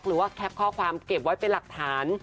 หรือว่าแคปข้อความเก็บไว้เป็นหลักฐาน